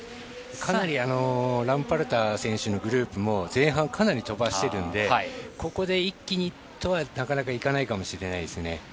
かなりラムパルター選手のグループも前半、かなり飛ばしているのでここで一気にとはなかなかいかないかもしれませんね。